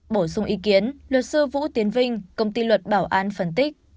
bổ sung ý kiến luật sư vũ tiến vinh công ty luật bảo an phân tích